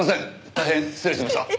大変失礼しました。